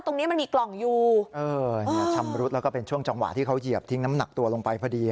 ตรงนี้มันมีกล่องอยู่เออเนี่ยชำรุดแล้วก็เป็นช่วงจังหวะที่เขาเหยียบทิ้งน้ำหนักตัวลงไปพอดี